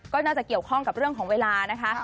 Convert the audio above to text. ก็น่าจะเกี่ยวข้องกับเรื่องของเวลานะคะ